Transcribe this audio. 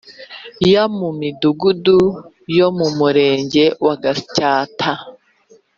ya mu Midugudu yo mu Murenge wa Gatsata